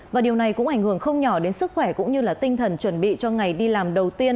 và điều này cũng ảnh hưởng không nhỏ đến sức khỏe cũng như tinh thần chuẩn bị cho ngày đi làm đầu tiên